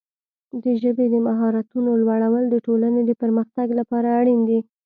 د ژبې د مهارتونو لوړول د ټولنې د پرمختګ لپاره اړین دي.